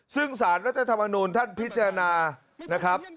ซึ่งสารรัฐธรรมนูลท่านพิจารณานะครับ